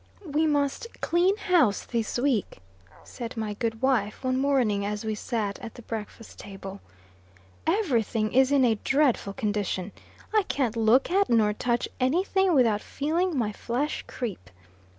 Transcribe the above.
"We must clean house this week," said my good wife one morning as we sat at the breakfast table "every thing is in a dreadful condition. I can't look at nor touch any thing without feeling my flesh creep."